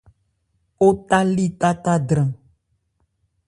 O tali tata dran.